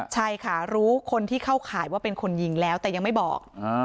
ใช่ค่ะรู้คนที่เข้าข่ายว่าเป็นคนยิงแล้วแต่ยังไม่บอก